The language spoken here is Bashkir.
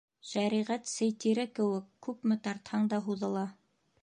Шәриғәт сей тире кеүек: күпме тартһаң да һуҙыла.